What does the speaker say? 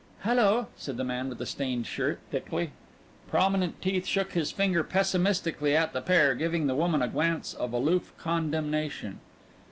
"Hello," said the man with the stained shirt thickly. Prominent teeth shook his finger pessimistically at the pair, giving the woman a glance of aloof condemnation.